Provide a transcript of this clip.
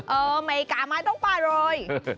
เออแมริกาไม่ต้องไปเลย